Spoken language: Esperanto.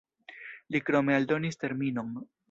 Li krome aldonis terminon.